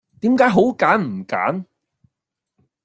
點解好揀唔揀